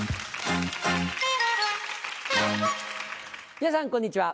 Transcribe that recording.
皆さんこんにちは。